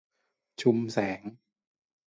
ชุมแสง